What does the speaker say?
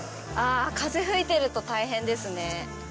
風吹いてると大変ですね。